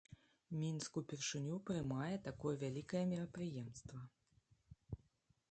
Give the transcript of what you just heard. Мінск упершыню прымае такое вялікае мерапрыемства.